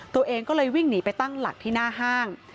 ตัวเองก็เลยวิ่งหนีไปตั้งหลักที่หน้าห้าง